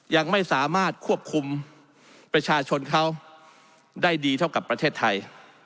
ยังไม่สามารถควบคุมประชาชนเขาได้ดีเท่ากับประเทศไทย